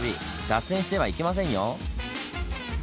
脱線してはいけませんよ！